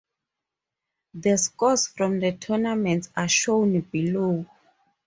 The scores from the tournament are shown below.